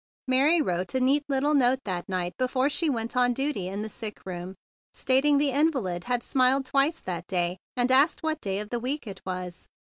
Mary wrote a neat little note that night before she went on duty in the sick room, stating that the invalid had smiled twice that day and asked what day of the week it was.